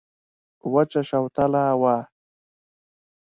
وچه شوتله وه.